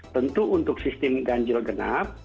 tentu untuk sistem ganjil genap